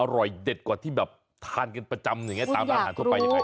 อร่อยเด็ดกว่าที่แบบทานกันประจำอย่างนี้ตามร้านอาหารทั่วไปยังไง